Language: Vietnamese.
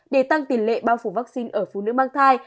để tăng tỷ lệ bao phủ vaccine ở phụ nữ mang thai